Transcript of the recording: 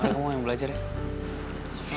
kamu mau yang belajar ya